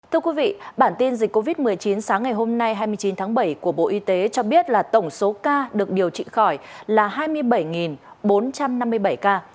thưa quý vị bản tin dịch covid một mươi chín sáng ngày hôm nay hai mươi chín tháng bảy của bộ y tế cho biết là tổng số ca được điều trị khỏi là hai mươi bảy bốn trăm năm mươi bảy ca